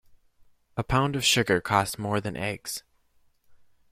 A pound of sugar costs more than eggs.